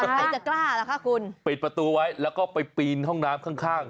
ใครจะกล้าล่ะคะคุณปิดประตูไว้แล้วก็ไปปีนห้องน้ำข้างข้าง